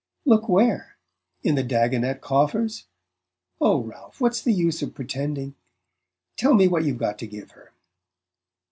"Look where? In the Dagonet coffers? Oh, Ralph, what's the use of pretending? Tell me what you've got to give her."